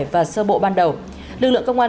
và sơ bộ ban đầu lực lượng công an